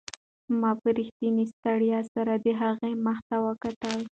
ما په رښتینې ستړیا سره د هغې مخ ته وکتل.